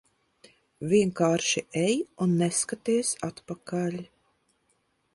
Vienkārši ej un neskaties atpakaļ.